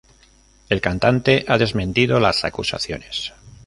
El cantante ha desmentido las acusaciones.